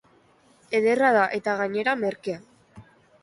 Ederra da eta gainera merkea.